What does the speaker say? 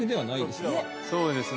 そうですね。